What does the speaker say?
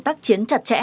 tắc chiến chặt chẽ